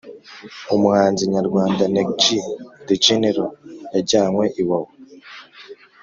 Umuhanzi nyarwanda neg g the general yajyanywe iwawa